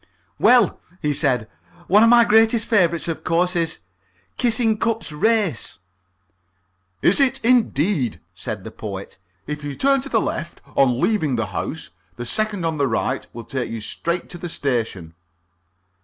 "Well," he said, "one of my greatest favourites of course is 'Kissingcup's Race.'" "Is it, indeed?" said the Poet. "If you turn to the left on leaving the house, the second on the right will take you straight to the station."